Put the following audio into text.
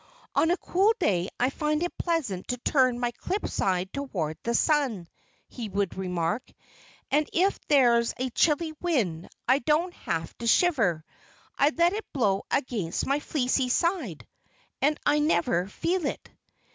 "On a cool day I find it pleasant to turn my clipped side toward the sun," he would remark. "And if there's a chilly wind I don't have to shiver. I let it blow against my fleecy side; and I never feel it."